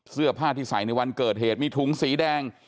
เสื้อผ้าที่ใส่ในวันเกิดเหตุมีถุงสีแดง